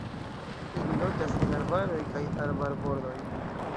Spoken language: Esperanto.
Ili loĝas en arbaroj kaj arbarbordoj.